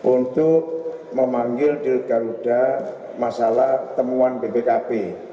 untuk memanggil di garuda masalah temuan bpkp